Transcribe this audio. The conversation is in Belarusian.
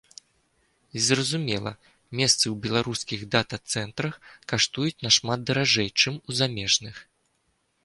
І, зразумела, месцы ў беларускіх дата-цэнтрах каштуюць нашмат даражэй, чым у замежных.